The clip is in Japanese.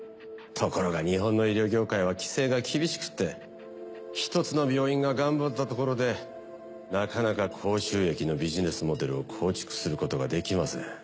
ところが日本の医療業界は規制が厳しくて１つの病院が頑張ったところでなかなか高収益のビジネスモデルを構築することができません。